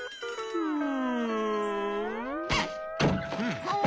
うん？